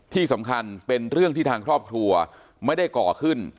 ที่สำคัญเป็นเรื่องที่ทางครอบครัวไม่ได้ก่อขึ้น